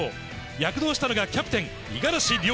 躍動したのがキャプテン、五十嵐陵。